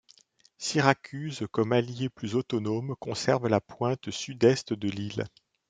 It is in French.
Syracuse comme alliée plus autonome conserve la pointe sud-est de l’île.